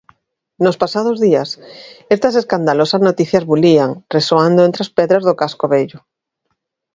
Nos pasados días, estas escandalosas noticias bulían, resoando entre as pedras do casco vello.